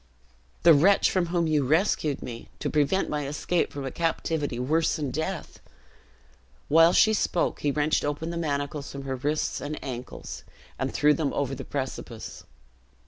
"The wretch from whom you rescued me to prevent my escape from a captivity worse than death." While she spoke, he wrenched open the manacles from her wrists and ankles, and threw them over the precipice.